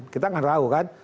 kita gak tahu kan